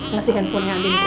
ngasih handphonenya andin